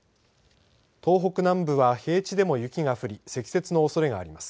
東北南部は平地でも雪が降り積雪のおそれがあります。